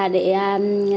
để xử lý công việc